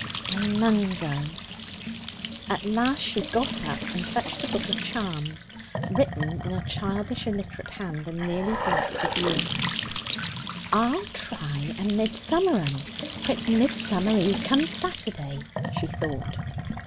I mun go.' At last she got up and fetched the book of charms, written in a childish, illiterate hand, and nearly black with use. 'I'll try a midsummer 'un, for it's Midsummer Eve come Saturday,' she thought.